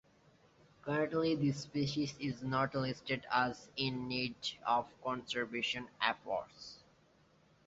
Currently this species is not listed as in need of conservation efforts.